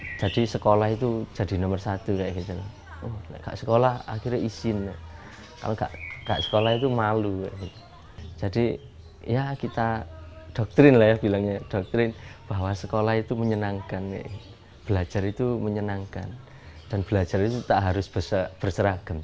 hai jadi sekolah itu jadi nomor satu kayak gitu enggak sekolah akhirnya isin kalau enggak enggak sekolah itu malu jadi ya kita doktrin lah ya bilangnya doktrin bahwa sekolah itu menyenangkan belajar itu menyenangkan dan belajar itu tak harus berceragam